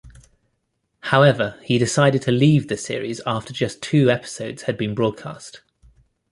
However he decided to leave the series after just two episodes had been broadcast.